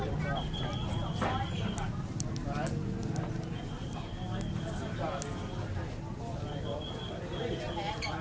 เฮ้ยแค่ของผมอ่ะอ่าเดี๋ยวดูให้ค่ะอ๋อเอาล่ะ